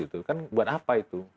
itu kan buat apa itu